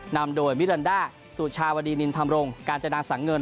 นำโดยมิรันดาสุชาวดีนินธรรมรงกาญจนาสังเงิน